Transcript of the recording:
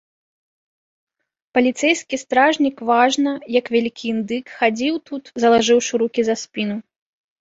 Паліцэйскі стражнік важна, як вялікі індык, хадзіў тут, залажыўшы рукі за спіну.